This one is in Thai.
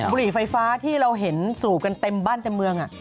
บุหรี่ไฟฟ้าที่เราเห็นสูบกันเต็มบ้านเต็มเมือง